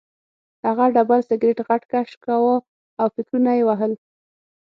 هغه ډبل سګرټ غټ کش کاوه او فکرونه یې وهل